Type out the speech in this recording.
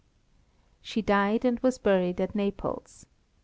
She died and was buried at Naples.